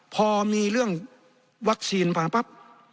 พอมีเรื่องวัคซีนมาปั๊บ